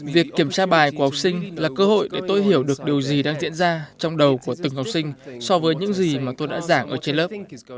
việc kiểm tra bài của học sinh là cơ hội để tôi hiểu được điều gì đang diễn ra trong đầu của từng học sinh so với những gì mà tôi đã giảng ở trên lớp